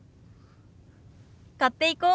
買っていこう。